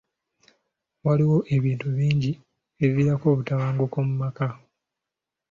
Waliwo ebintu bingi ebiviirako obutabanguko mu maka.